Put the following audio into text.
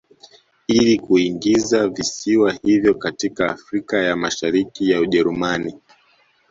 Ili kuingiza visiwa hivyo katika Afrika ya Mashariki ya Ujerumani